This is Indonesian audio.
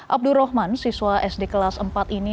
abdul rohman siswa sd kelas empat ini